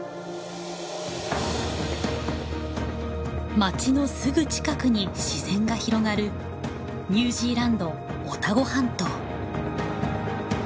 町のすぐ近くに自然が広がるニュージーランドオタゴ半島。